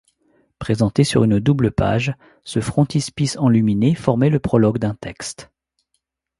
Présenté sur une double-page, ce frontispice enluminé formait le prologue d'un texte.